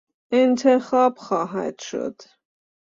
انتخاب خواهد شد